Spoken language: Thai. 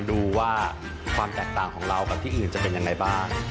ดูว่าความแตกต่างของเรากับที่อื่นจะเป็นยังไงบ้าง